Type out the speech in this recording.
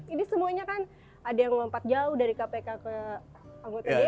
ini semuanya kan ada yang lompat jauh dari kpk ke anggota dpr